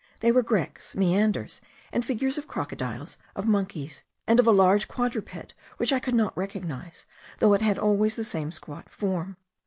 They were grecques, meanders, and figures of crocodiles, of monkeys, and of a large quadruped which I could not recognize, though it had always the same squat form.